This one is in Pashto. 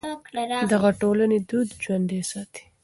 دغه ټولنې دود ژوندی ساتي.